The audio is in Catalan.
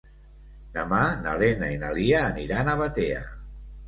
Demà na Lena i na Lia aniran a Batea.